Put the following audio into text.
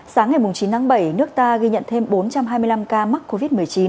sáng ngày chín tháng bảy nước ta ghi nhận thêm bốn trăm hai mươi năm ca mắc covid một mươi chín